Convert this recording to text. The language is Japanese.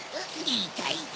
いたいた！